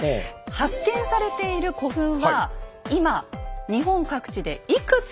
発見されている古墳は今日本各地でいくつあるでしょうか？